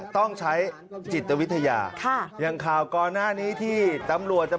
ต้องใช้จิตวิทยาค่ะอย่างข่าวก่อนหน้านี้ที่ตำรวจจะ